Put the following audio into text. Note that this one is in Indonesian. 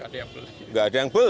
tidak ada yang beli